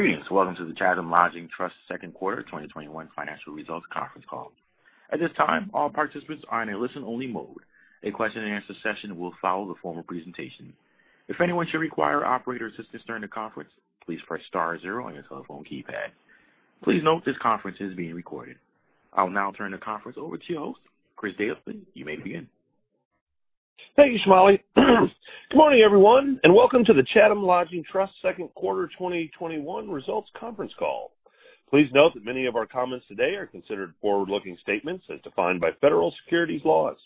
Greetings. Welcome to the Chatham Lodging Trust's Second Quarter 2021 Financial Results Conference Call. At this time, all participants are in a listen-only mode. A question and answer session will follow the formal presentation. If anyone should require operator assistance during the conference, please press star zero on your telephone keypad. Please note this conference is being recorded. I will now turn the conference over to your host, Chris Daly. You may begin. Thank you, Swali. Good morning, everyone, and welcome to the Chatham Lodging Trust's Second Quarter 2021 Results Conference Call. Please note that many of our comments today are considered forward-looking statements as defined by federal securities laws.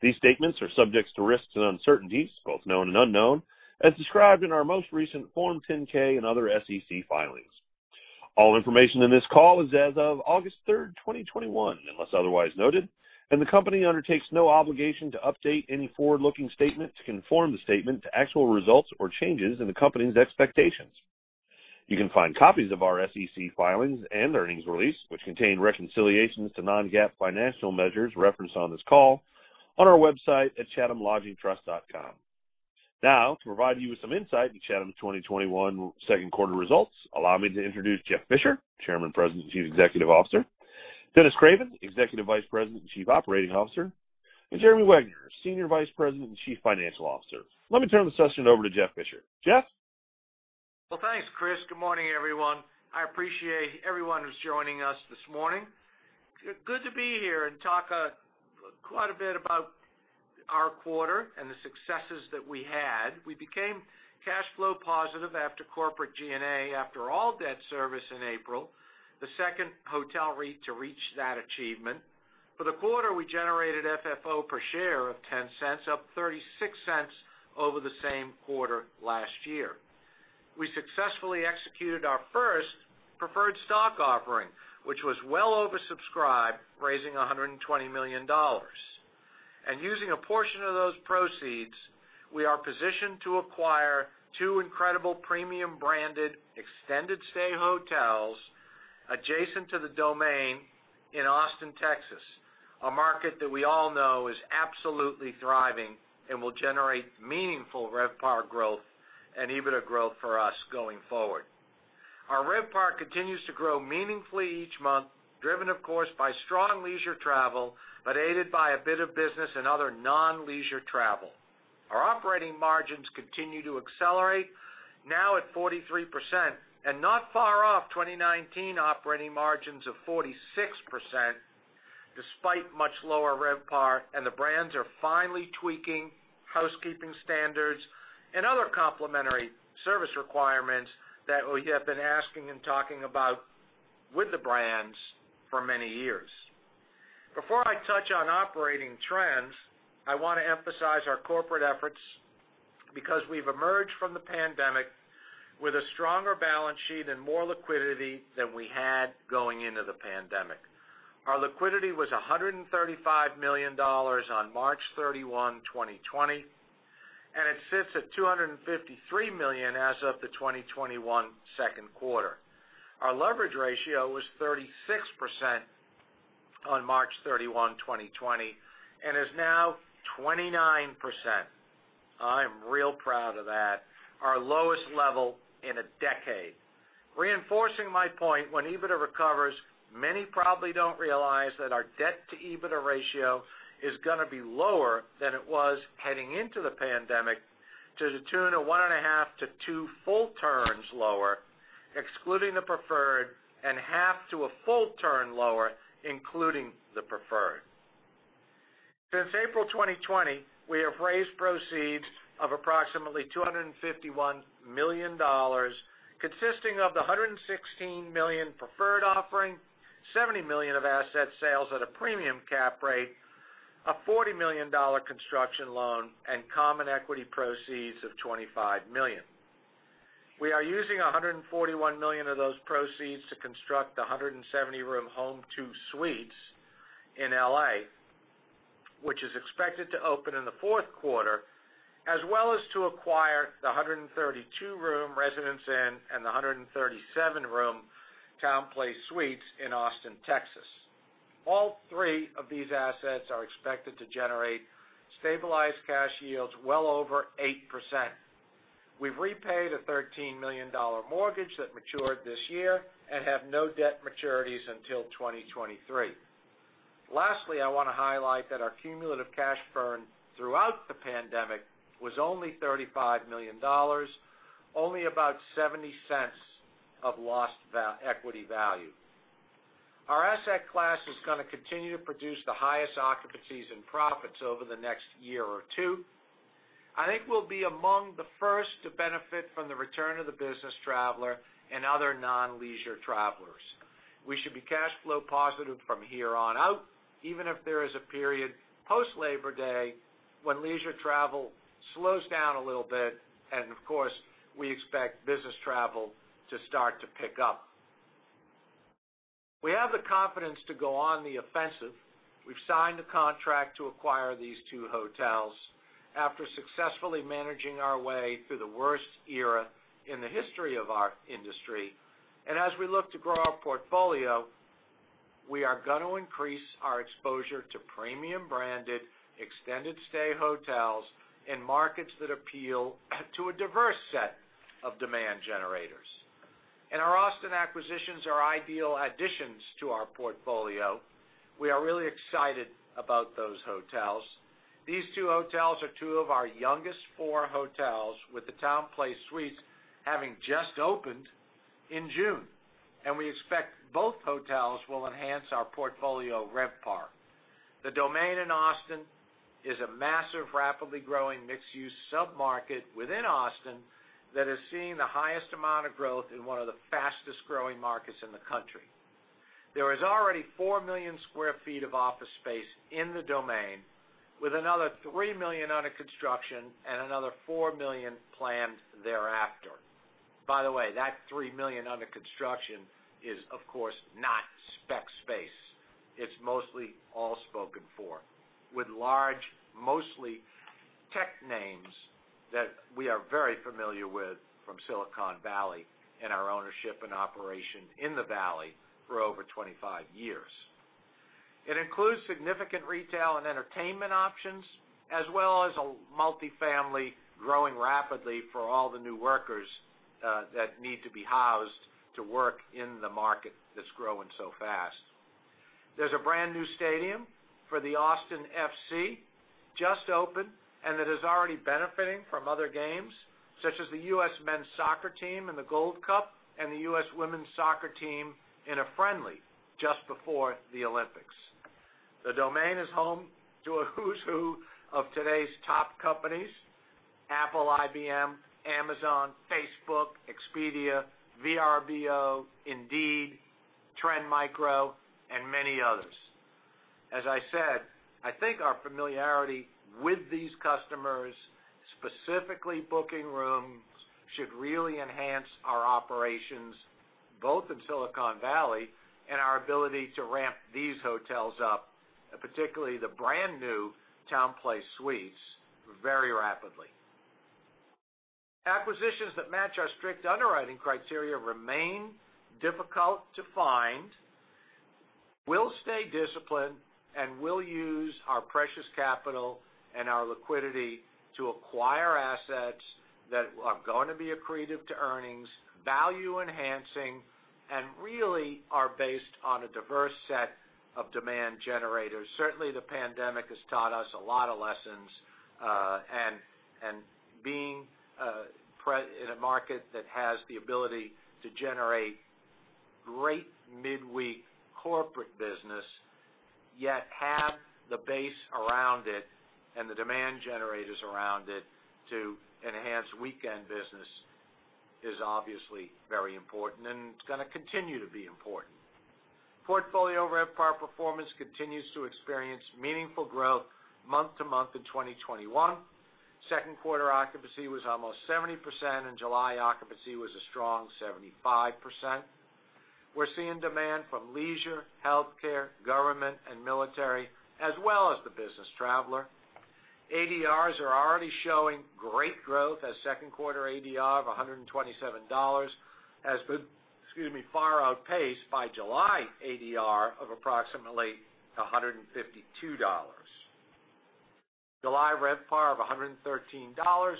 These statements are subject to risks and uncertainties, both known and unknown, as described in our most recent Form 10-K and other SEC filings. All information in this call is as of August 3, 2021, unless otherwise noted, and the company undertakes no obligation to update any forward-looking statement to conform the statement to actual results or changes in the company's expectations. You can find copies of our SEC filings and earnings release, which contain reconciliations to non-GAAP financial measures referenced on this call, on our website at chathamlodgingtrust.com. Now, to provide you with some insight into Chatham's 2021 Second Quarter Results, allow me to introduce Jeff Fisher, Chairman, President, and Chief Executive Officer, Dennis Craven, Executive Vice President and Chief Operating Officer, and Jeremy Wegner, Senior Vice President and Chief Financial Officer. Let me turn the session over to Jeff Fisher. Jeff? Thanks, Chris. Good morning, everyone. I appreciate everyone who's joining us this morning. Good to be here and talk quite a bit about our quarter and the successes that we had. We became cash flow positive after corporate G&A after all debt service in April, the second hotel rate to reach that achievement. For the quarter, we generated FFO per share of $0.10, up $0.36 over the same quarter last year. We successfully executed our first preferred stock offering, which was well oversubscribed, raising $120 million. Using a portion of those proceeds, we are positioned to acquire two incredible premium-branded extended stay hotels adjacent to the Domain in Austin, Texas, a market that we all know is absolutely thriving and will generate meaningful RevPAR growth and EBITDA growth for us going forward. Our RevPAR continues to grow meaningfully each month, driven, of course, by strong leisure travel but aided by a bit of business and other non-leisure travel. Our operating margins continue to accelerate, now at 43%, and not far off 2019 operating margins of 46%, despite much lower RevPAR, and the brands are finally tweaking housekeeping standards and other complementary service requirements that we have been asking and talking about with the brands for many years. Before I touch on operating trends, I want to emphasize our corporate efforts because we've emerged from the pandemic with a stronger balance sheet and more liquidity than we had going into the pandemic. Our liquidity was $135 million on March 31, 2020, and it sits at $253 million as of the 2021 second quarter. Our leverage ratio was 36% on March 31, 2020, and is now 29%. I'm real proud of that. Our lowest level in a decade. Reinforcing my point, when EBITDA recovers, many probably do not realize that our debt to EBITDA ratio is going to be lower than it was heading into the pandemic, to the tune of one and a half to two full turns lower, excluding the preferred, and half to a full turn lower, including the preferred. Since April 2020, we have raised proceeds of approximately $251 million, consisting of the $116 million preferred offering, $70 million of asset sales at a premium cap rate, a $40 million construction loan, and common equity proceeds of $25 million. We are using $141 million of those proceeds to construct the 170 room Homewood Suites in Los Angeles, which is expected to open in the fourth quarter, as well as to acquire the 132 room Residence Inn and the 137 room TownePlace Suites in Austin, Texas. All three of these assets are expected to generate stabilized cash yields well over 8%. We've repaid a $13 million mortgage that matured this year and have no debt maturities until 2023. Lastly, I want to highlight that our cumulative cash burn throughout the pandemic was only $35 million, only about $0.70 of lost equity value. Our asset class is going to continue to produce the highest occupancies and profits over the next year or two. I think we'll be among the first to benefit from the return of the business traveler and other non-leisure travelers. We should be cash flow positive from here on out, even if there is a period post Labor Day when leisure travel slows down a little bit, and of course, we expect business travel to start to pick up. We have the confidence to go on the offensive. We've signed a contract to acquire these two hotels after successfully managing our way through the worst era in the history of our industry. As we look to grow our portfolio, we are going to increase our exposure to premium-branded extended stay hotels in markets that appeal to a diverse set of demand generators. Our Austin acquisitions are ideal additions to our portfolio. We are really excited about those hotels. These two hotels are two of our youngest four hotels, with the TownePlace Suites having just opened in June. We expect both hotels will enhance our portfolio RevPAR. The Domain in Austin is a massive, rapidly growing mixed-use submarket within Austin that is seeing the highest amount of growth in one of the fastest growing markets in the country. There is already 4 million sq ft of office space in the Domain, with another 3 million under construction and another 4 million planned thereafter. By the way, that 3 million under construction is, of course, not spec space. It's mostly all spoken for, with large, mostly tech names that we are very familiar with from Silicon Valley and our ownership and operation in the valley for over 25 years. It includes significant retail and entertainment options, as well as a multifamily growing rapidly for all the new workers that need to be housed to work in the market that's growing so fast. There's a brand new stadium for the Austin FC just opened and that is already benefiting from other games, such as the U.S. men's soccer team in the Gold Cup and the U.S. women's soccer team in a friendly just before the Olympics. The Domain is home to a who's who of today's top companies: Apple, IBM, Amazon, Facebook, Expedia, VRBO, Indeed, Trend Micro, and many others. As I said, I think our familiarity with these customers, specifically booking rooms, should really enhance our operations, both in Silicon Valley and our ability to ramp these hotels up, particularly the brand new TownePlace Suites, very rapidly. Acquisitions that match our strict underwriting criteria remain difficult to find. We'll stay disciplined and we'll use our precious capital and our liquidity to acquire assets that are going to be accretive to earnings, value-enhancing, and really are based on a diverse set of demand generators. Certainly, the pandemic has taught us a lot of lessons, and being in a market that has the ability to generate great midweek corporate business, yet have the base around it and the demand generators around it to enhance weekend business is obviously very important and is going to continue to be important. Portfolio RevPAR performance continues to experience meaningful growth month to month in 2021. Second quarter occupancy was almost 70%, and July occupancy was a strong 75%. We're seeing demand from leisure, healthcare, government, and military, as well as the business traveler. ADRs are already showing great growth, as second quarter ADR of $127 has been far outpaced by July ADR of approximately $152. July RevPAR of $113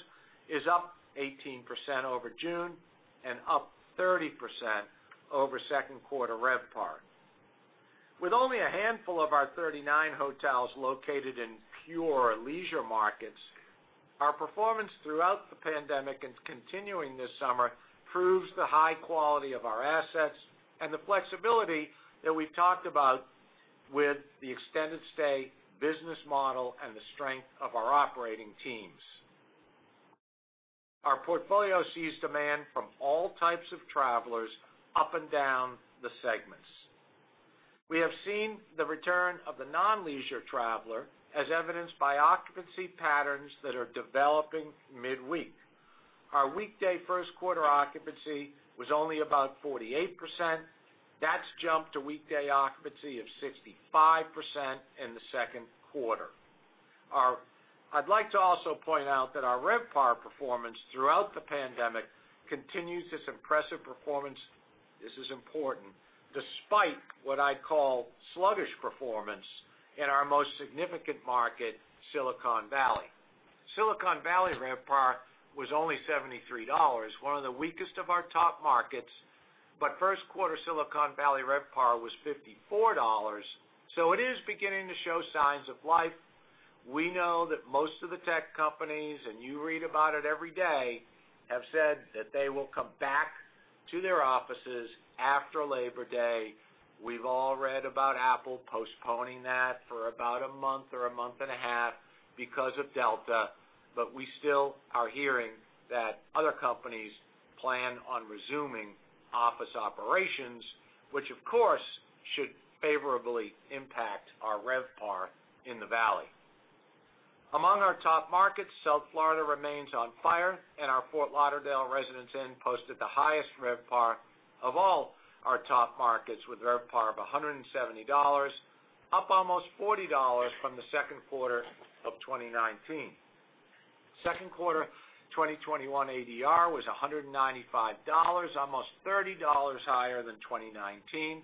is up 18% over June and up 30% over second quarter RevPAR. With only a handful of our 39 hotels located in pure leisure markets, our performance throughout the pandemic and continuing this summer proves the high quality of our assets and the flexibility that we've talked about with the extended stay business model and the strength of our operating teams. Our portfolio sees demand from all types of travelers up and down the segments. We have seen the return of the non-leisure traveler, as evidenced by occupancy patterns that are developing midweek. Our week day first quarter occupancy was only about 48%. That's jumped to week day occupancy of 65% in the second quarter. I'd like to also point out that our RevPAR performance throughout the pandemic continues this impressive performance. This is important despite what I call sluggish performance in our most significant market, Silicon Valley. Silicon Valley RevPAR was only $73, one of the weakest of our top markets, but first quarter Silicon Valley RevPAR was $54. It is beginning to show signs of life. We know that most of the tech companies, and you read about it every day, have said that they will come back to their offices after Labor Day. We've all read about Apple postponing that for about a month or a month and a half because of Delta, but we still are hearing that other companies plan on resuming office operations, which, of course, should favorably impact our RevPAR in the valley. Among our top markets, South Florida remains on fire, and our Fort Lauderdale Residence Inn posted the highest RevPAR of all our top markets, with RevPAR of $170, up almost $40 from the second quarter of 2019. Second quarter 2021 ADR was $195, almost $30 higher than 2019.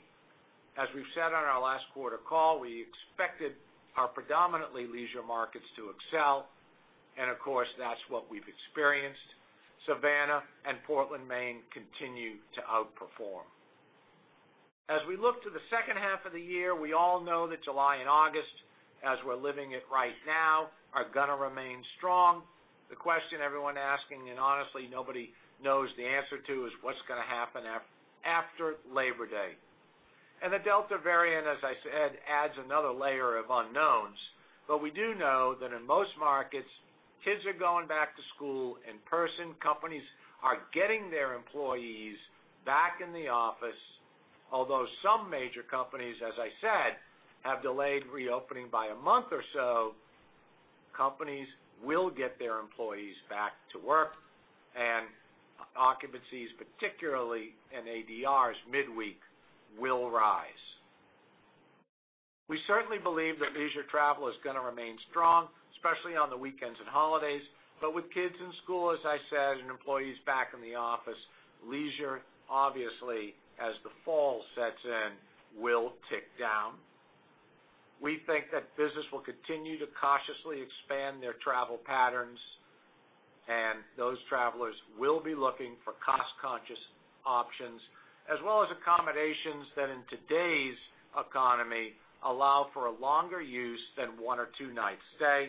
As we've said on our last quarter call, we expected our predominantly leisure markets to excel, and of course, that's what we've experienced. Savannah and Portland, Maine continue to outperform. As we look to the second half of the year, we all know that July and August, as we're living it right now, are going to remain strong. The question everyone's asking, and honestly, nobody knows the answer to, is what's going to happen after Labor Day. The Delta variant, as I said, adds another layer of unknowns, but we do know that in most markets, kids are going back to school in person. Companies are getting their employees back in the office. Although some major companies, as I said, have delayed reopening by a month or so, companies will get their employees back to work, and occupancies, particularly in ADRs midweek, will rise. We certainly believe that leisure travel is going to remain strong, especially on the weekends and holidays, but with kids in school, as I said, and employees back in the office, leisure, obviously, as the fall sets in, will tick down. We think that business will continue to cautiously expand their travel patterns, and those travelers will be looking for cost conscious options, as well as accommodations that, in today's economy, allow for a longer use than one or two-night stay.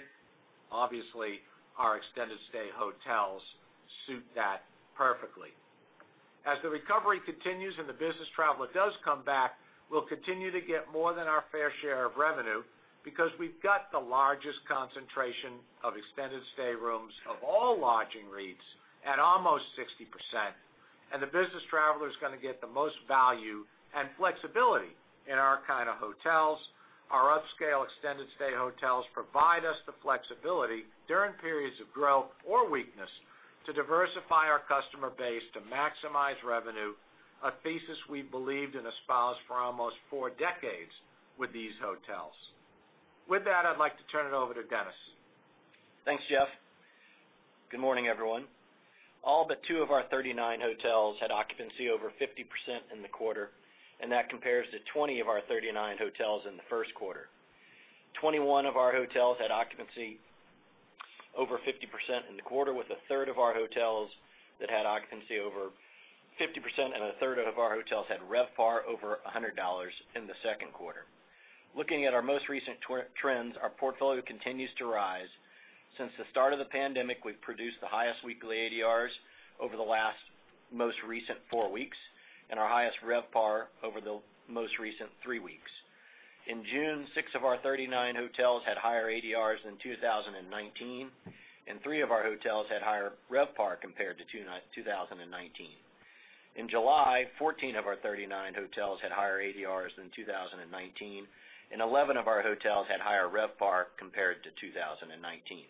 Obviously, our extended stay hotels suit that perfectly. As the recovery continues and the business traveler does come back, we'll continue to get more than our fair share of revenue because we've got the largest concentration of extended stay rooms of all lodging rates at almost 60%, and the business traveler is going to get the most value and flexibility in our kind of hotels. Our upscale extended stay hotels provide us the flexibility during periods of growth or weakness to diversify our customer base to maximize revenue, a thesis we believed and espoused for almost four decades with these hotels. With that, I'd like to turn it over to Dennis. Thanks, Jeff. Good morning, everyone. All but two of our 39 hotels had occupancy over 50% in the quarter, and that compares to 20 of our 39 hotels in the first quarter. 21 of our hotels had occupancy over 50% in the quarter, with a third of our hotels that had occupancy over 50%, and a third of our hotels had RevPAR over $100 in the second quarter. Looking at our most recent trends, our portfolio continues to rise. Since the start of the pandemic, we've produced the highest weekly ADRs over the last most recent four weeks and our highest RevPAR over the most recent three weeks. In June, six of our 39 hotels had higher ADRs than 2019, and three of our hotels had higher RevPAR compared to 2019. In July, 14 of our 39 hotels had higher ADRs than 2019, and 11 of our hotels had higher RevPAR compared to 2019.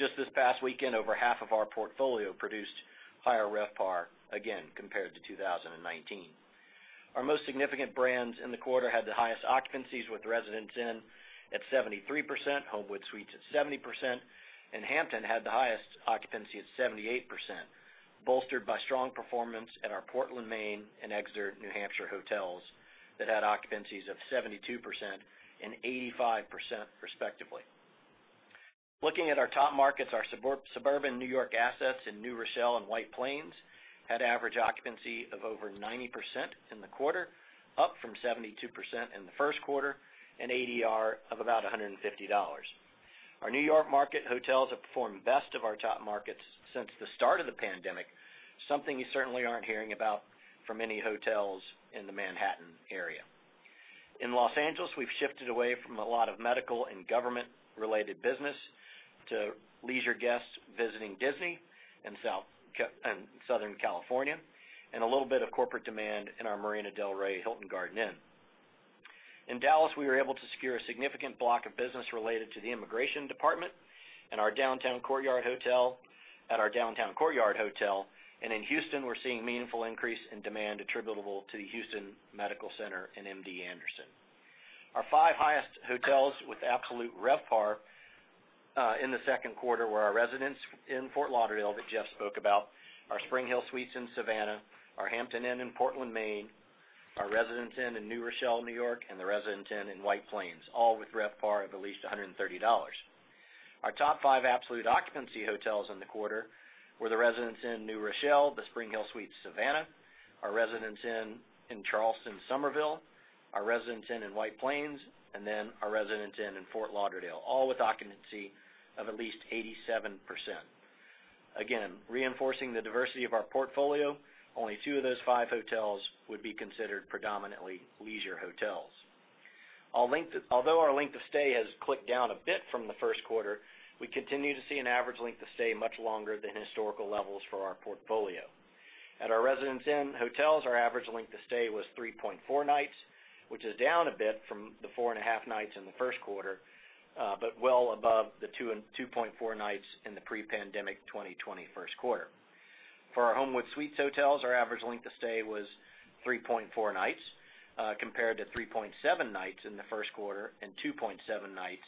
Just this past weekend, over half of our portfolio produced higher RevPAR again compared to 2019. Our most significant brands in the quarter had the highest occupancies with Residence Inn at 73%, Homewood Suites at 70%, and Hampton had the highest occupancy at 78%, bolstered by strong performance at our Portland, Maine, and Exeter, New Hampshire hotels that had occupancies of 72% and 85%, respectively. Looking at our top markets, our suburban New York assets in New Rochelle and White Plains had average occupancy of over 90% in the quarter, up from 72% in the first quarter, and ADR of about $150. Our New York market hotels have performed best of our top markets since the start of the pandemic, something you certainly aren't hearing about from any hotels in the Manhattan area. In Los Angeles, we've shifted away from a lot of medical and government-related business to leisure guests visiting Disney in Southern California and a little bit of corporate demand in our Marina del Rey Hilton Garden Inn. In Dallas, we were able to secure a significant block of business related to the immigration department and our downtown Courtyard hotel, and in Houston, we're seeing a meaningful increase in demand attributable to the Houston Medical Center and M.D. Anderson. Our five highest hotels with absolute RevPAR in the second quarter were our Residence Inn in Fort Lauderdale that Jeff spoke about, our Spring Hill Suites in Savannah, our Hampton Inn in Portland, Maine, our Residence Inn in New Rochelle, New York, and the Residence Inn in White Plains, all with RevPAR of at least $130. Our top five absolute occupancy hotels in the quarter were the Residence Inn in New Rochelle, the Spring Hill Suites Savannah, our Residence Inn in Charleston, Somerville, our Residence Inn in White Plains, and then our Residence Inn in Fort Lauderdale, all with occupancy of at least 87%. Again, reinforcing the diversity of our portfolio, only two of those five hotels would be considered predominantly leisure hotels. Although our length of stay has clicked down a bit from the first quarter, we continue to see an average length of stay much longer than historical levels for our portfolio. At our Residence Inn hotels, our average length of stay was 3.4 nights, which is down a bit from the four and a half nights in the first quarter, but well above the 2.4 nights in the pre-pandemic 2020 first quarter. For our Homewood Suites hotels, our average length of stay was 3.4 nights compared to 3.7 nights in the first quarter and 2.7 nights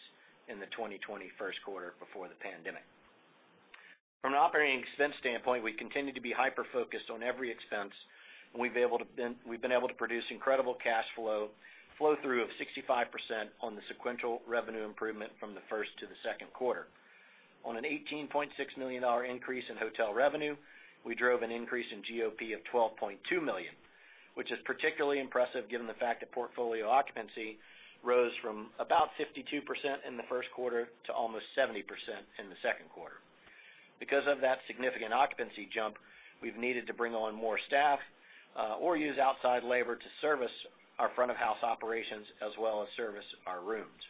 in the 2020 first quarter before the pandemic. From an operating expense standpoint, we continue to be hyper-focused on every expense, and we've been able to produce incredible cash flow through of 65% on the sequential revenue improvement from the first to the second quarter. On an $18.6 million increase in hotel revenue, we drove an increase in GOP of $12.2 million, which is particularly impressive given the fact that portfolio occupancy rose from about 52% in the first quarter to almost 70% in the second quarter. Because of that significant occupancy jump, we've needed to bring on more staff or use outside labor to service our front-of-house operations as well as service our rooms.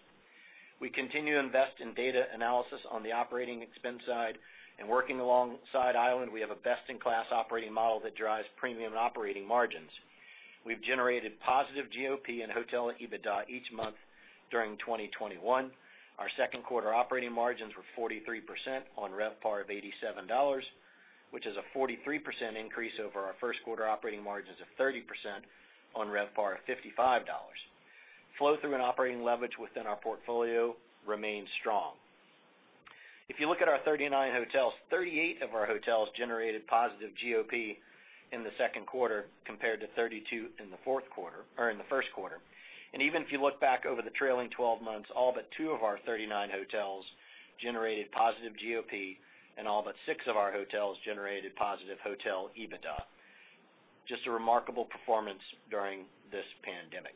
We continue to invest in data analysis on the operating expense side, and working alongside island, we have a best in class operating model that drives premium operating margins. We've generated positive GOP and hotel EBITDA each month during 2021. Our second quarter operating margins were 43% on RevPAR of $87, which is a 43% increase over our first quarter operating margins of 30% on RevPAR of $55. Flow-through and operating leverage within our portfolio remains strong. If you look at our 39 hotels, 38 of our hotels generated positive GOP in the second quarter compared to 32 in the first quarter. Even if you look back over the trailing 12 months, all but two of our 39 hotels generated positive GOP, and all but six of our hotels generated positive hotel EBITDA. Just a remarkable performance during this pandemic.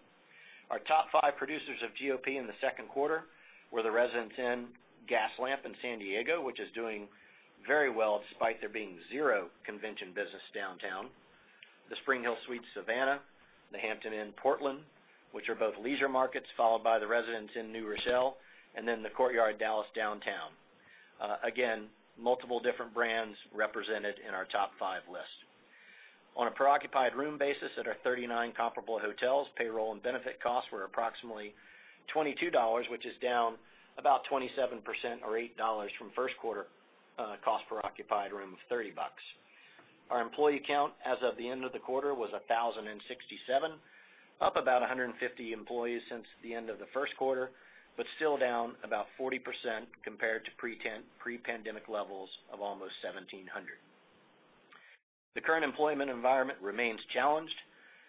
Our top five producers of GOP in the second quarter were the Residence Inn Gaslamp in San Diego, which is doing very well despite there being zero convention business downtown, the Spring Hill Suites Savannah, the Hampton Inn Portland, which are both leisure markets, followed by the Residence Inn New Rochelle, and then the Courtyard Dallas downtown. Again, multiple different brands represented in our top five list. On a per-occupied room basis at our 39 comparable hotels, payroll and benefit costs were approximately $22, which is down about 27% or $8 from first quarter cost per occupied room of 30 bucks. Our employee count as of the end of the quarter was 1,067, up about 150 employees since the end of the first quarter, but still down about 40% compared to pre-pandemic levels of almost 1,700. The current employment environment remains challenged.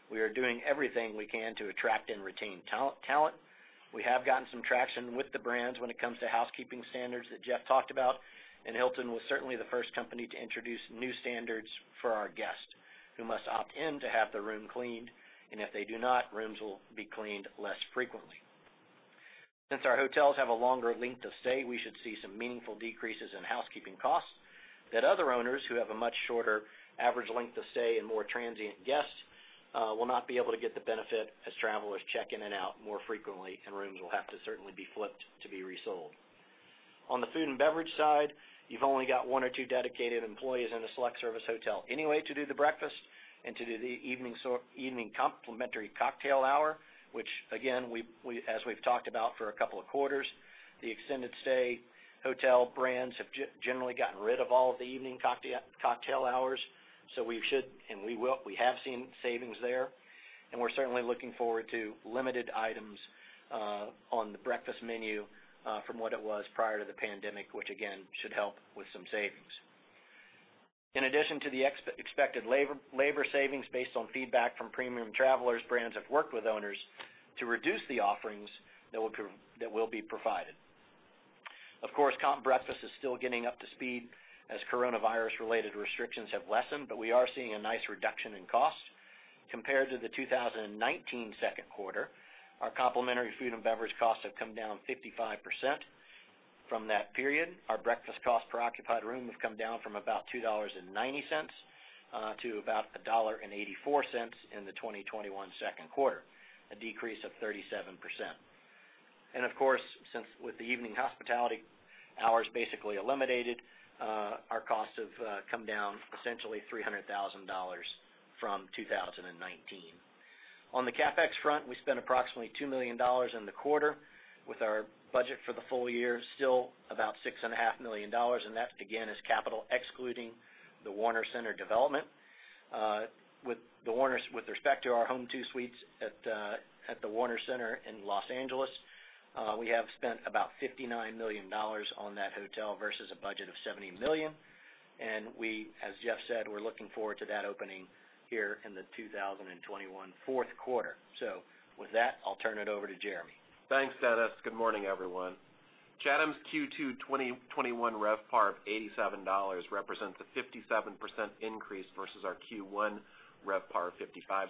We are doing everything we can to attract and retain talent. We have gotten some traction with the brands when it comes to housekeeping standards that Jeff talked about, and Hilton was certainly the first company to introduce new standards for our guests who must opt in to have their room cleaned, and if they do not, rooms will be cleaned less frequently. Since our hotels have a longer length of stay, we should see some meaningful decreases in housekeeping costs that other owners who have a much shorter average length of stay and more transient guests will not be able to get the benefit as travelers check in and out more frequently, and rooms will have to certainly be flipped to be resold. On the food and beverage side, you've only got one or two dedicated employees in a select service hotel anyway to do the breakfast and to do the evening complimentary cocktail hour, which, again, as we've talked about for a couple of quarters, the extended stay hotel brands have generally gotten rid of all of the evening cocktail hours, so we should, and we will, we have seen savings there, and we're certainly looking forward to limited items on the breakfast menu from what it was prior to the pandemic, which, again, should help with some savings. In addition to the expected labor savings based on feedback from premium travelers, brands have worked with owners to reduce the offerings that will be provided. Of course, breakfast is still getting up to speed as coronavirus-related restrictions have lessened, but we are seeing a nice reduction in cost. Compared to the 2019 second quarter, our complimentary food and beverage costs have come down 55% from that period. Our breakfast cost per occupied room has come down from about $2.90 to about $1.84 in the 2021 second quarter, a decrease of 37%. Of course, since with the evening hospitality hours basically eliminated, our costs have come down essentially $300,000 from 2019. On the CapEx front, we spent approximately $2 million in the quarter with our budget for the full year still about $6.5 million, and that, again, is capital excluding the Warner Center development. With respect to our Homewood Suites at the Warner Center in Los Angeles, we have spent about $59 million on that hotel versus a budget of $70 million, and we, as Jeff said, we're looking forward to that opening here in the 2021 fourth quarter. With that, I'll turn it over to Jeremy. Thanks, Dennis. Good morning, everyone. Chatham's Q2 2021 RevPAR of $87 represents a 57% increase versus our Q1 RevPAR of $55.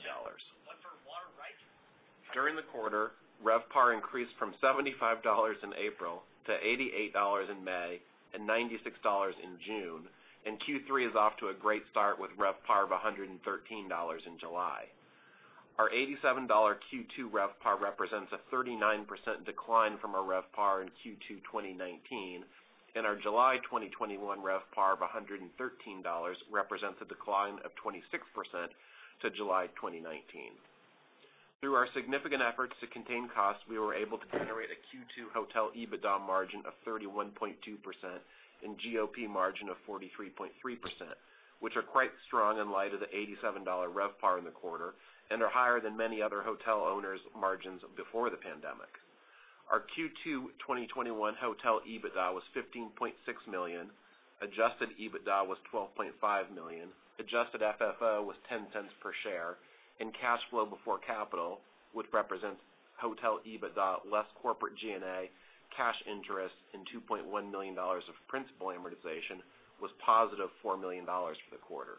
During the quarter, RevPAR increased from $75 in April to $88 in May and $96 in June, and Q3 is off to a great start with RevPAR of $113 in July. Our $87 Q2 RevPAR represents a 39% decline from our RevPAR in Q2 2019, and our July 2021 RevPAR of $113 represents a decline of 26% to July 2019. Through our significant efforts to contain costs, we were able to generate a Q2 hotel EBITDA margin of 31.2% and GOP margin of 43.3%, which are quite strong in light of the $87 RevPAR in the quarter and are higher than many other hotel owners' margins before the pandemic. Our Q2 2021 hotel EBITDA was $15.6 million, adjusted EBITDA was $12.5 million, adjusted FFO was $0.10 per share, and cash flow before capital, which represents hotel EBITDA less corporate G&A cash interest and $2.1 million of principal amortization, was positive $4 million for the quarter.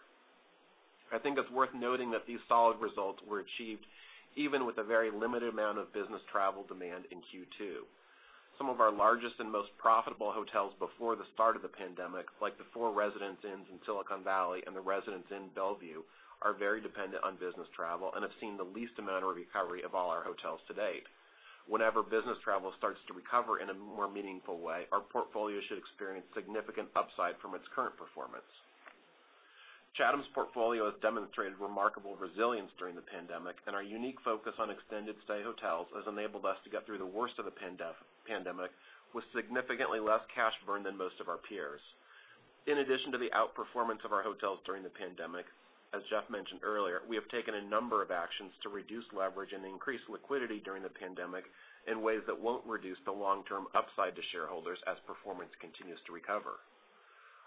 I think it's worth noting that these solid results were achieved even with a very limited amount of business travel demand in Q2. Some of our largest and most profitable hotels before the start of the pandemic, like the four Residence Inns in Silicon Valley and the Residence Inn Bellevue, are very dependent on business travel and have seen the least amount of recovery of all our hotels to date. Whenever business travel starts to recover in a more meaningful way, our portfolio should experience significant upside from its current performance. Chatham's portfolio has demonstrated remarkable resilience during the pandemic, and our unique focus on extended stay hotels has enabled us to get through the worst of the pandemic with significantly less cash burn than most of our peers. In addition to the outperformance of our hotels during the pandemic, as Jeff mentioned earlier, we have taken a number of actions to reduce leverage and increase liquidity during the pandemic in ways that will not reduce the long-term upside to shareholders as performance continues to recover.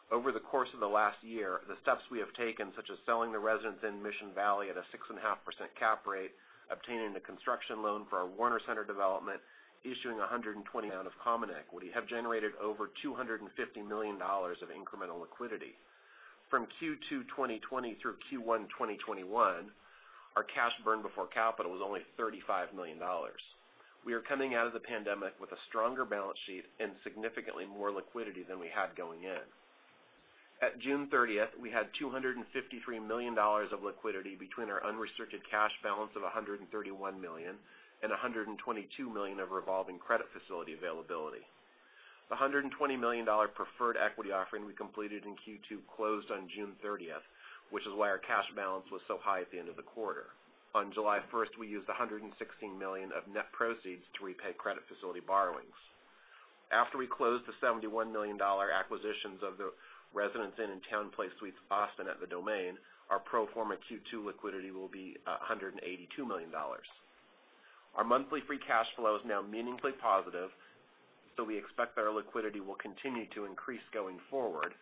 Over the course of the last year, the steps we have taken, such as selling the Residence Inn Mission Valley at a 6.5% cap rate, obtaining a construction loan for our Warner Center development, issuing $120 million of common equity, have generated over $250 million of incremental liquidity. From Q2 2020 through Q1 2021, our cash burn before capital was only $35 million. We are coming out of the pandemic with a stronger balance sheet and significantly more liquidity than we had going in. At June 30, we had $253 million of liquidity between our unrestricted cash balance of $131 million and $122 million of revolving credit facility availability. The $120 million preferred equity offering we completed in Q2 closed on June 30, which is why our cash balance was so high at the end of the quarter. On July 1, we used $116 million of net proceeds to repay credit facility borrowings. After we closed the $71 million acquisitions of the Residence Inn and TownePlace Suites Austin at the Domain, our pro forma Q2 liquidity will be $182 million. Our monthly free cash flow is now meaningfully positive, so we expect our liquidity will continue to increase going forward,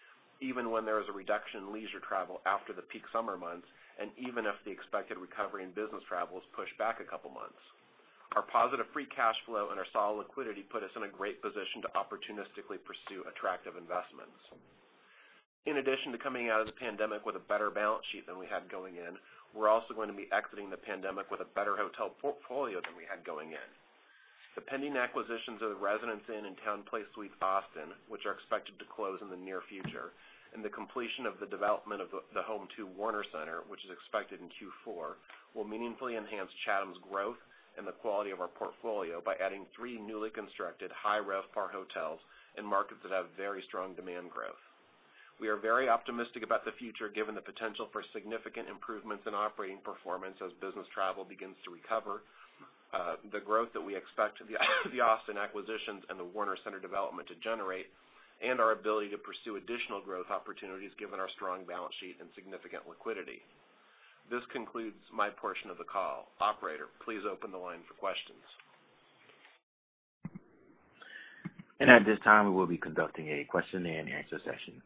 even when there is a reduction in leisure travel after the peak summer months and even if the expected recovery in business travel is pushed back a couple of months. Our positive free cash flow and our solid liquidity put us in a great position to opportunistically pursue attractive investments. In addition to coming out of the pandemic with a better balance sheet than we had going in, we're also going to be exiting the pandemic with a better hotel portfolio than we had going in. The pending acquisitions of the Residence Inn and TownePlace Suites Austin, which are expected to close in the near future, and the completion of the development of the Homewood Warner Center, which is expected in Q4, will meaningfully enhance Chatham's growth and the quality of our portfolio by adding three newly constructed high RevPAR hotels in markets that have very strong demand growth. We are very optimistic about the future given the potential for significant improvements in operating performance as business travel begins to recover, the growth that we expect the Austin acquisitions and the Warner Center development to generate, and our ability to pursue additional growth opportunities given our strong balance sheet and significant liquidity. This concludes my portion of the call. Operator, please open the line for questions. At this time, we will be conducting a question and answer session.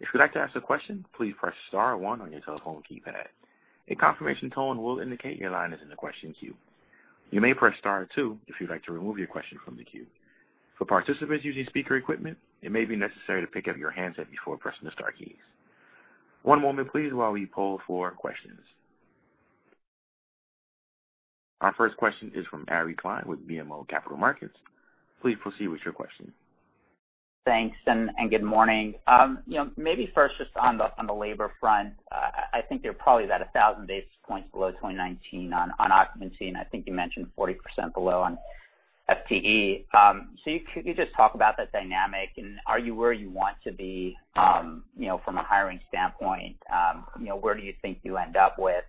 If you'd like to ask a question, please press star one on your telephone keypad. A confirmation tone will indicate your line is in the question queue. You may press star two if you'd like to remove your question from the queue. For participants using speaker equipment, it may be necessary to pick up your handset before pressing the star keys. One moment, please, while we poll for questions. Our first question is from Ari Klein with BMO Capital Markets. Please proceed with your question. Thanks, and good morning. Maybe first, just on the labor front, I think they're probably about 1,000 basis points below 2019 on occupancy, and I think you mentioned 40% below on FTE. So could you just talk about that dynamic, and are you where you want to be from a hiring standpoint? Where do you think you end up with,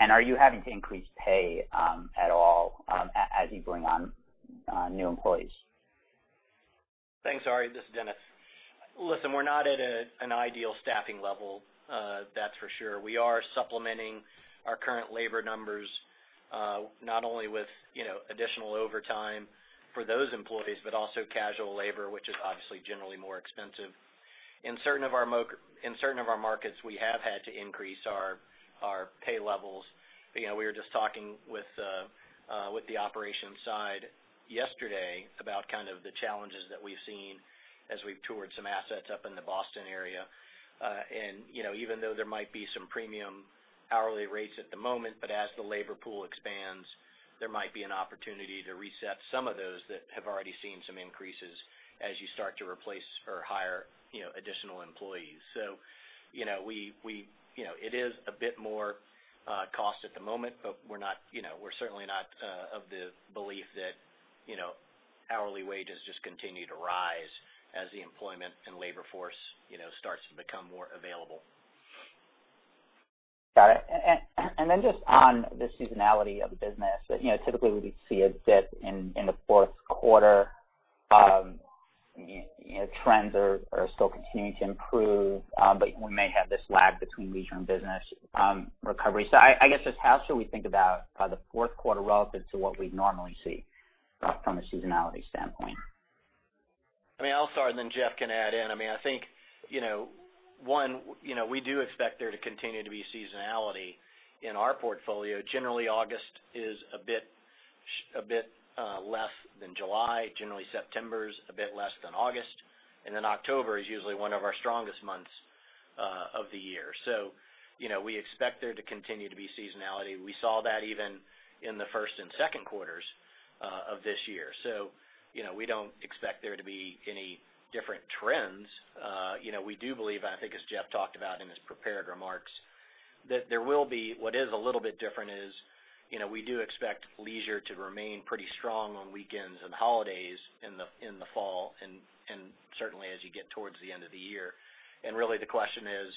and are you having to increase pay at all as you bring on new employees? Thanks, Ari. This is Dennis. Listen, we're not at an ideal staffing level, that's for sure. We are supplementing our current labor numbers not only with additional overtime for those employees but also casual labor, which is obviously generally more expensive. In certain of our markets, we have had to increase our pay levels. We were just talking with the operations side yesterday about kind of the challenges that we've seen as we've toured some assets up in the Boston area. Even though there might be some premium hourly rates at the moment, as the labor pool expands, there might be an opportunity to reset some of those that have already seen some increases as you start to replace or hire additional employees. It is a bit more cost at the moment, but we're certainly not of the belief that hourly wages just continue to rise as the employment and labor force starts to become more available. Got it. Just on the seasonality of the business, typically we see a dip in the fourth quarter. Trends are still continuing to improve, but we may have this lag between leisure and business recovery. I guess just how should we think about the fourth quarter relative to what we normally see from a seasonality standpoint? I mean, I'll start, and then Jeff can add in. I mean, I think, one, we do expect there to continue to be seasonality in our portfolio. Generally, August is a bit less than July. Generally, September is a bit less than August, and then October is usually one of our strongest months of the year. We expect there to continue to be seasonality. We saw that even in the first and second quarters of this year. We do not expect there to be any different trends. We do believe, and I think as Jeff talked about in his prepared remarks, that what is a little bit different is we do expect leisure to remain pretty strong on weekends and holidays in the fall and certainly as you get towards the end of the year. The question is,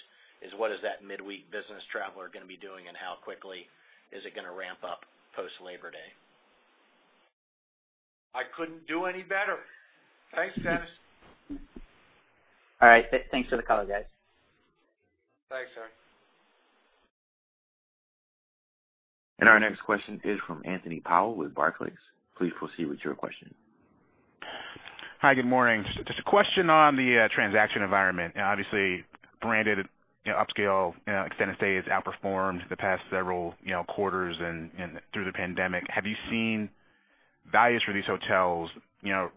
what is that midweek business traveler going to be doing, and how quickly is it going to ramp up post Labor Day. I couldn't do any better. Thanks, Dennis. All right. Thanks for the call, guys. Thanks, Ari. Our next question is from Anthony Powell with Barclays. Please proceed with your question. Hi, good morning. Just a question on the transaction environment. Obviously, branded upscale, and extended stay have outperformed the past several quarters and through the pandemic. Have you seen values for these hotels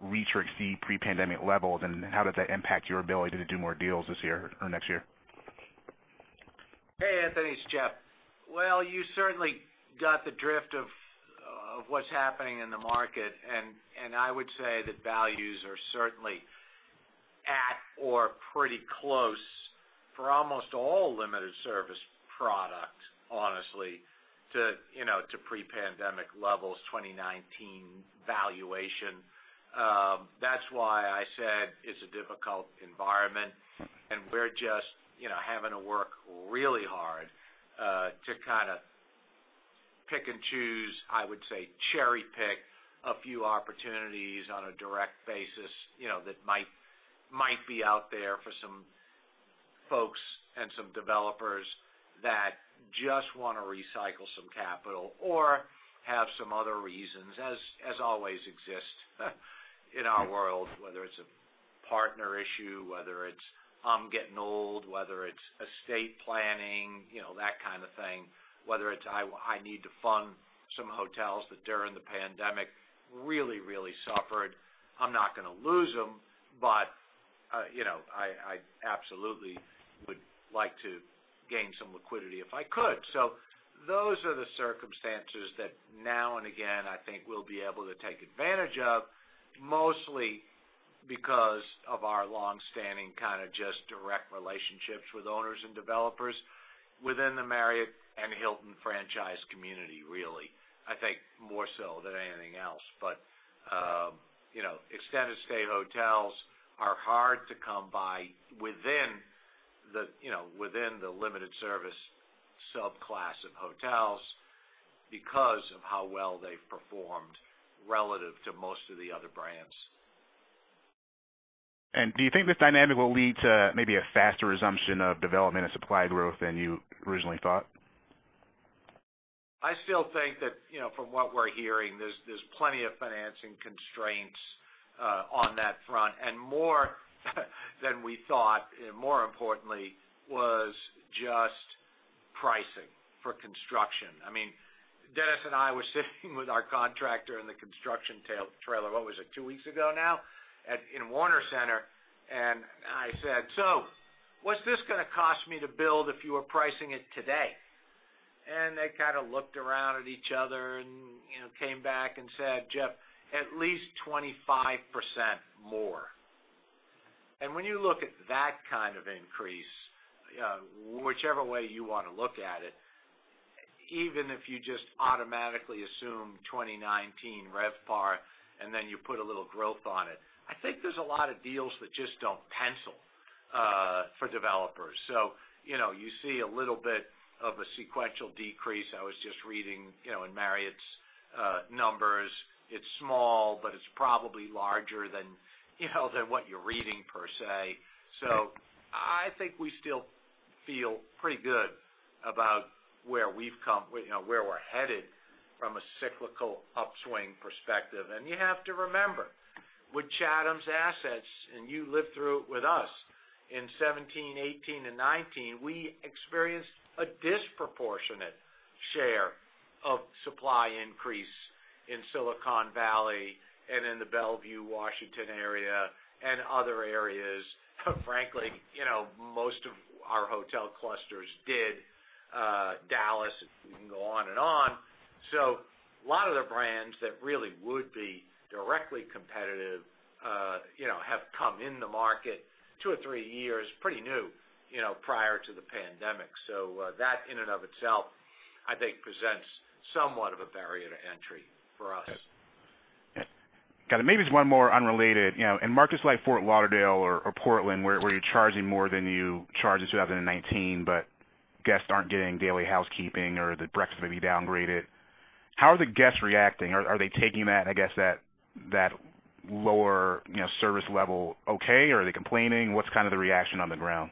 reach or exceed pre-pandemic levels, and how did that impact your ability to do more deals this year or next year? Hey, Anthony, it's Jeff. You certainly got the drift of what's happening in the market, and I would say that values are certainly at or pretty close for almost all limited service products, honestly, to pre-pandemic levels, 2019 valuation. That's why I said it's a difficult environment, and we're just having to work really hard to kind of pick and choose, I would say, cherry-pick a few opportunities on a direct basis that might be out there for some folks and some developers that just want to recycle some capital or have some other reasons. As always exists in our world, whether it's a partner issue, whether it's I'm getting old, whether it's estate planning, that kind of thing, whether it's I need to fund some hotels that during the pandemic really, really suffered. I'm not going to lose them, but I absolutely would like to gain some liquidity if I could. Those are the circumstances that now and again I think we'll be able to take advantage of, mostly because of our long-standing kind of just direct relationships with owners and developers within the Marriott and Hilton franchise community, really. I think more so than anything else. Extended stay hotels are hard to come by within the limited service subclass of hotels because of how well they've performed relative to most of the other brands. Do you think this dynamic will lead to maybe a faster resumption of development and supply growth than you originally thought? I still think that from what we're hearing, there's plenty of financing constraints on that front, and more than we thought, more importantly, was just pricing for construction. I mean, Dennis and I were sitting with our contractor in the construction trailer—what was it, two weeks ago now?—in Warner Center, and I said, "So what's this going to cost me to build if you were pricing it today?" And they kind of looked around at each other and came back and said, "Jeff, at least 25% more." When you look at that kind of increase, whichever way you want to look at it, even if you just automatically assume 2019 RevPAR and then you put a little growth on it, I think there's a lot of deals that just don't pencil for developers. You see a little bit of a sequential decrease. I was just reading in Marriott's numbers. It's small, but it's probably larger than what you're reading per se. I think we still feel pretty good about where we've come, where we're headed from a cyclical upswing perspective. You have to remember, with Chatham's assets, and you lived through it with us in 2017, 2018, and 2019, we experienced a disproportionate share of supply increase in Silicon Valley and in the Bellevue, Washington area, and other areas. Frankly, most of our hotel clusters did, Dallas, we can go on and on. A lot of the brands that really would be directly competitive have come in the market two or three years pretty new prior to the pandemic. That in and of itself, I think, presents somewhat of a barrier to entry for us. Got it. Got it. Maybe just one more unrelated. In markets like Fort Lauderdale or Portland, where you're charging more than you charged in 2019, but guests aren't getting daily housekeeping or the breakfast may be downgraded, how are the guests reacting? Are they taking that, I guess, that lower service level okay, or are they complaining? What's kind of the reaction on the ground?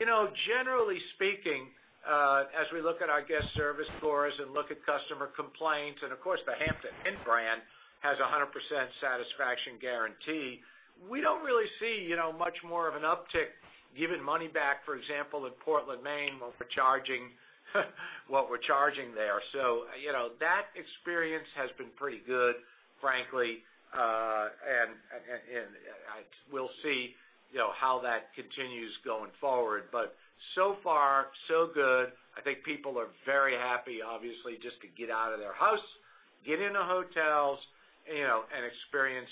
Generally speaking, as we look at our guest service scores and look at customer complaints, and of course, the Hampton Inn brand has a 100% satisfaction guarantee, we do not really see much more of an uptick giving money back, for example, in Portland, Maine, what we are charging there. That experience has been pretty good, frankly, and we will see how that continues going forward. So far, so good. I think people are very happy, obviously, just to get out of their house, get in the hotels, and experience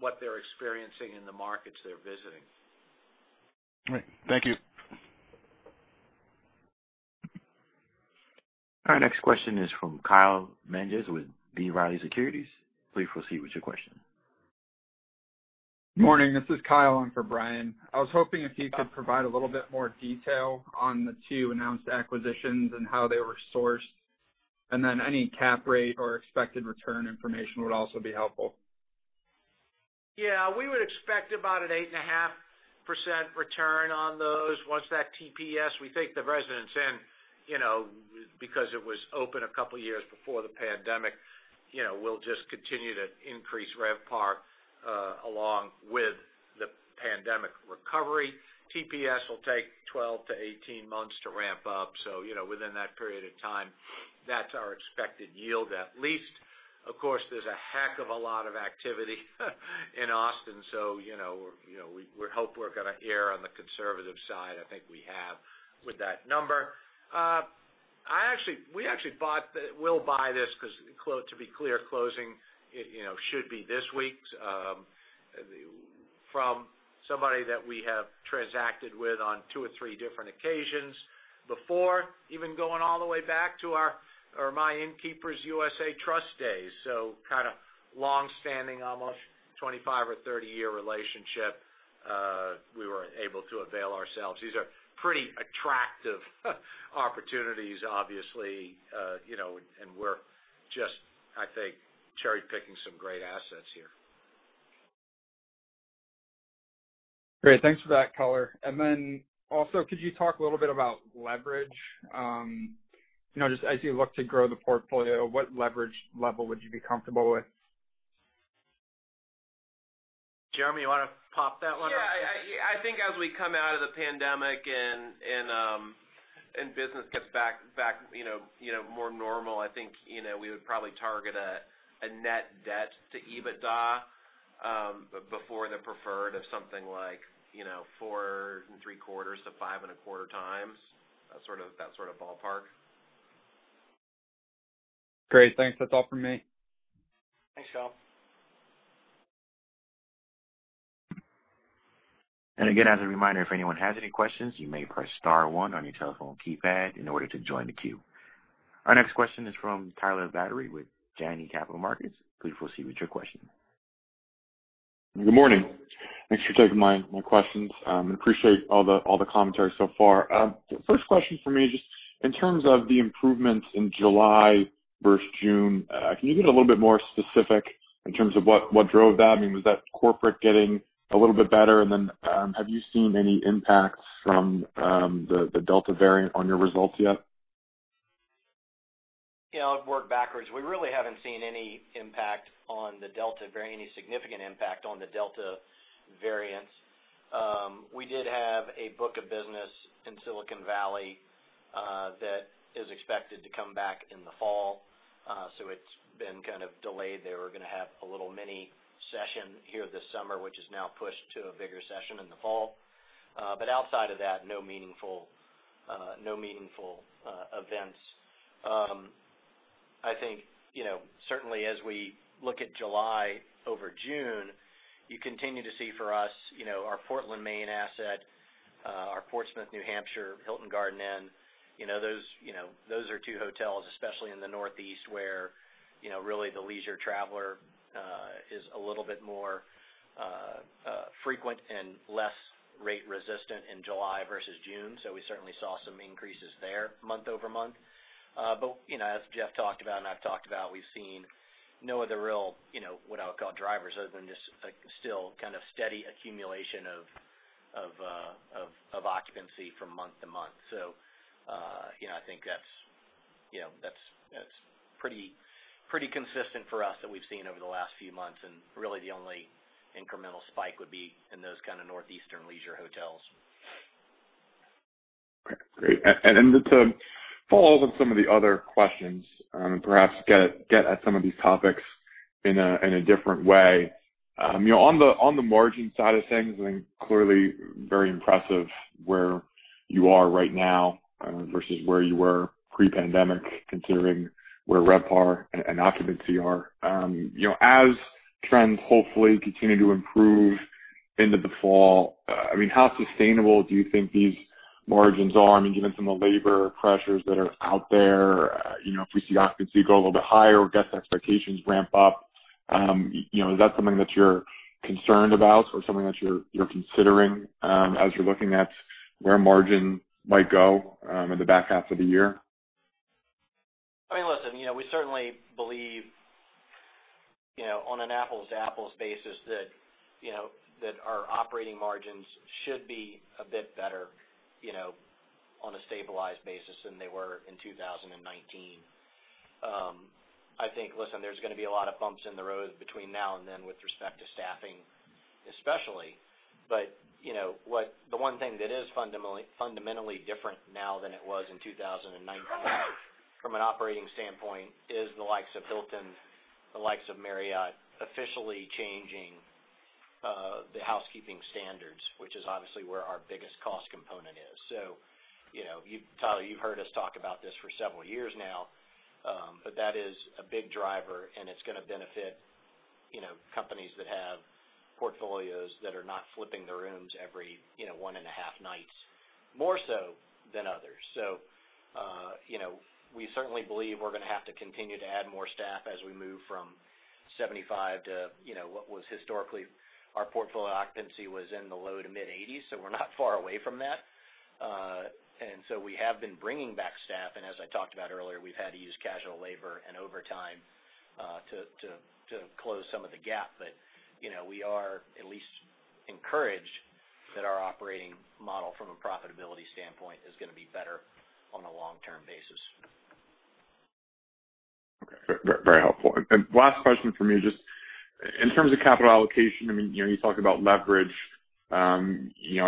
what they are experiencing in the markets they are visiting. All right. Thank you. Our next question is from Kyle Menges with B. Riley Securities. Please proceed with your question. Morning. This is Kyle. I'm for Bryan. I was hoping if you could provide a little bit more detail on the two announced acquisitions and how they were sourced, and then any cap rate or expected return information would also be helpful? Yeah. We would expect about an 8.5% return on those once that TPS—we think the Residence Inn, because it was open a couple of years before the pandemic—will just continue to increase RevPAR along with the pandemic recovery. TPS will take 12-18 months to ramp up. Within that period of time, that's our expected yield at least. Of course, there's a heck of a lot of activity in Austin, so we hope we're going to err on the conservative side. I think we have with that number. We actually bought—we'll buy this because, to be clear, closing should be this week from somebody that we have transacted with on two or three different occasions before, even going all the way back to our or my Innkeepers USA Trust days. Kind of long-standing, almost 25 or 30 year relationship, we were able to avail ourselves. These are pretty attractive opportunities, obviously, and we're just, I think, cherry-picking some great assets here. Great. Thanks for that, color. Also, could you talk a little bit about leverage? Just as you look to grow the portfolio, what leverage level would you be comfortable with? Jeremy, you want to pop that one up? Yeah. I think as we come out of the pandemic and business gets back more normal, I think we would probably target a net debt to EBITDA before the preferred of something like four and three quarters to five and a quarter times, that sort of ballpark. Great. Thanks. That's all for me. Thanks, Kyle. As a reminder, if anyone has any questions, you may press star one on your telephone keypad in order to join the queue. Our next question is from Tyler Batory with Janney Capital Markets. Please proceed with your question. Good morning. Thanks for taking my questions. I appreciate all the commentary so far. First question for me, just in terms of the improvements in July versus June, can you get a little bit more specific in terms of what drove that? I mean, was that corporate getting a little bit better? And then have you seen any impact from the Delta variant on your results yet? Yeah. I'll work backwards. We really haven't seen any impact on the Delta variant, any significant impact on the Delta variants. We did have a book of business in Silicon Valley that is expected to come back in the fall. It's been kind of delayed. They were going to have a little mini session here this summer, which is now pushed to a bigger session in the fall. Outside of that, no meaningful events. I think certainly as we look at July over June, you continue to see for us our Portland, Maine asset, our Portsmouth, New Hampshire, Hilton Garden Inn. Those are two hotels, especially in the northeast, where really the leisure traveler is a little bit more frequent and less rate resistant in July versus June. We certainly saw some increases there month over month. As Jeff talked about and I've talked about, we've seen no other real what I would call drivers other than just still kind of steady accumulation of occupancy from month to month. I think that's pretty consistent for us that we've seen over the last few months. Really the only incremental spike would be in those kind of northeastern leisure hotels. Great. To follow up on some of the other questions and perhaps get at some of these topics in a different way. On the margin side of things, I think clearly very impressive where you are right now versus where you were pre-pandemic, considering where RevPAR and occupancy are. As trends hopefully continue to improve into the fall, I mean, how sustainable do you think these margins are? I mean, given some of the labor pressures that are out there, if we see occupancy go a little bit higher or guest expectations ramp up, is that something that you're concerned about or something that you're considering as you're looking at where margin might go in the back half of the year? I mean, listen, we certainly believe on an apples-to-apples basis that our operating margins should be a bit better on a stabilized basis than they were in 2019. I think, listen, there is going to be a lot of bumps in the road between now and then with respect to staffing, especially. The one thing that is fundamentally different now than it was in 2019 from an operating standpoint is the likes of Hilton, the likes of Marriott officially changing the housekeeping standards, which is obviously where our biggest cost component is. Tyler, you have heard us talk about this for several years now, but that is a big driver, and it is going to benefit companies that have portfolios that are not flipping their rooms every one and a half nights more so than others. We certainly believe we're going to have to continue to add more staff as we move from 75% to what was historically our portfolio occupancy was in the low to mid-80%. We're not far away from that. We have been bringing back staff. As I talked about earlier, we've had to use casual labor and overtime to close some of the gap. We are at least encouraged that our operating model from a profitability standpoint is going to be better on a long-term basis. Okay. Very helpful. Last question for me, just in terms of capital allocation, I mean, you talked about leverage. I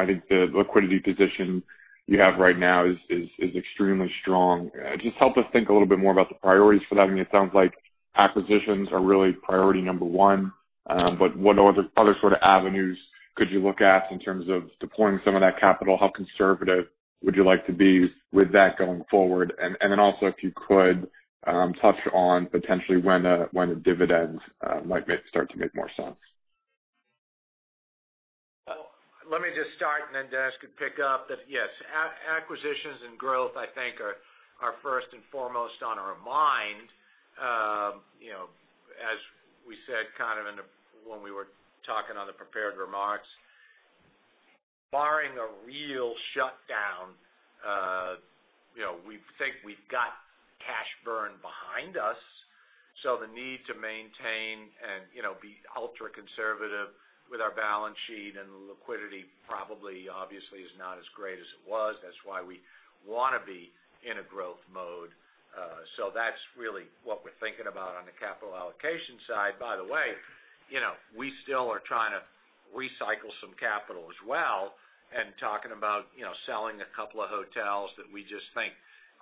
think the liquidity position you have right now is extremely strong. Just help us think a little bit more about the priorities for that. I mean, it sounds like acquisitions are really priority number one. What other sort of avenues could you look at in terms of deploying some of that capital? How conservative would you like to be with that going forward? Also, if you could touch on potentially when a dividend might start to make more sense. Let me just start and then Dennis could pick up. Yes. Acquisitions and growth, I think, are first and foremost on our mind. As we said kind of when we were talking on the prepared remarks, barring a real shutdown, we think we've got cash burn behind us. The need to maintain and be ultra-conservative with our balance sheet and liquidity probably obviously is not as great as it was. That is why we want to be in a growth mode. That is really what we are thinking about on the capital allocation side. By the way, we still are trying to recycle some capital as well and talking about selling a couple of hotels that we just think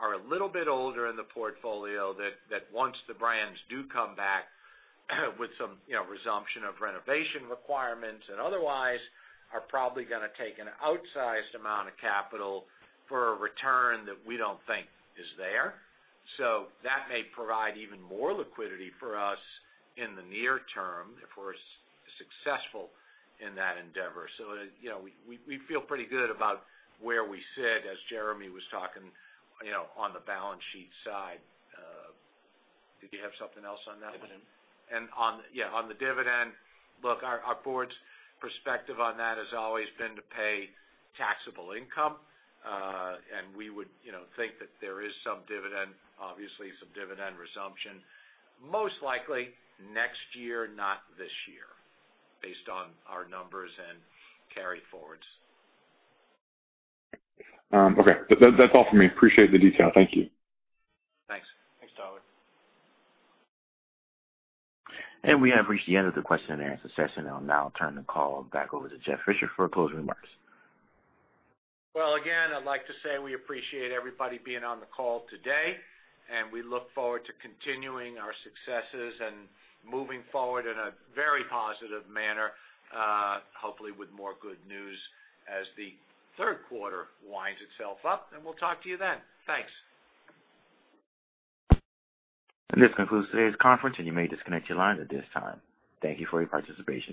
are a little bit older in the portfolio that once the brands do come back with some resumption of renovation requirements and otherwise are probably going to take an outsized amount of capital for a return that we don't think is there. That may provide even more liquidity for us in the near term if we're successful in that endeavor. We feel pretty good about where we sit as Jeremy was talking on the balance sheet side. Did you have something else on that? Yeah. On the dividend, look, our board's perspective on that has always been to pay taxable income. We would think that there is some dividend, obviously some dividend resumption, most likely next year, not this year, based on our numbers and carry forwards. Okay. That's all for me. Appreciate the detail. Thank you. Thanks. Thanks, Tyler. We have reached the end of the question and answer session. I'll now turn the call back over to Jeff Fisher for closing remarks. I would like to say we appreciate everybody being on the call today. We look forward to continuing our successes and moving forward in a very positive manner, hopefully with more good news as the third quarter winds itself up. We will talk to you then. Thanks. This concludes today's conference, and you may disconnect your line at this time. Thank you for your participation.